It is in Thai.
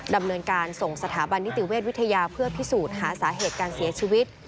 ดำเนินการส่งสถาบันนิติเวชวิทยาเพื่อพิสูจน์หาสาเหตุการเสียชีวิต